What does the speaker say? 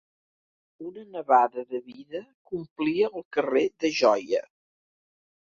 Una nevada de vida que omplia el carrer de joia.